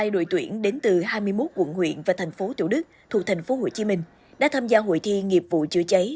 hai mươi đội tuyển đến từ hai mươi một quận huyện và thành phố chủ đức thuộc tp hcm đã tham gia hội thi nghiệp vụ chữa cháy